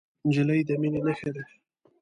نجلۍ د مینې نښه ده.